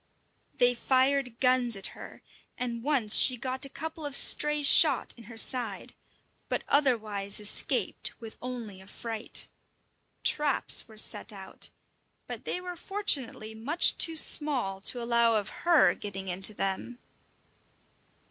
They fired guns at her, and once she got a couple of stray shot in her side, but otherwise escaped with only a fright. Traps were set out, but they were fortunately much too small to allow of her getting into them.